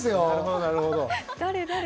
なるほど。